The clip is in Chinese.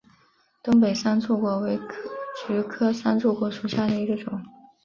东北三肋果为菊科三肋果属下的一个种。